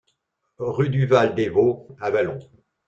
Rue du Val des Vaux, Avallon